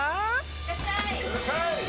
・いらっしゃい！